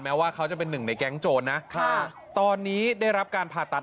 ว่าเขาจะเป็นหนึ่งในแก๊งโจรนะค่ะตอนนี้ได้รับการผ่าตัด